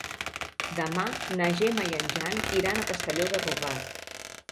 Demà na Gemma i en Jan iran a Castelló de Rugat.